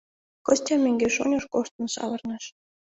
Костя мӧҥгеш-оньыш коштын савырныш.